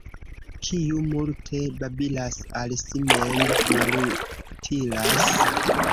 Kiu multe babilas, al si mem malutilas.